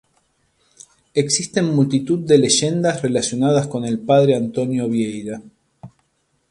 Existen multitud de leyendas relacionadas con el padre António Vieira.